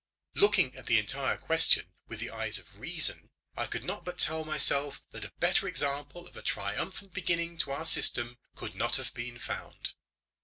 Looking at the entire question with the eyes of reason, I could not but tell myself that a better example of a triumphant beginning to our system could not have been found.